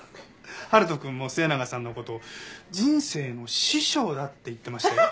春人くんも末永さんの事「人生の師匠」だって言ってましたよ。